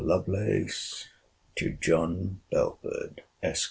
LOVELACE, TO JOHN BELFORD, ESQ.